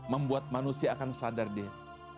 membuat manusia akan sadar dia